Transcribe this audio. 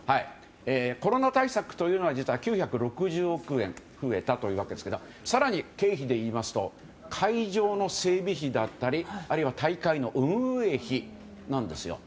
コロナ対策というのは実は９６０億円増えたというわけですが更に経費でいいますと会場の整備費だったりあるいは大会の運営費なんです。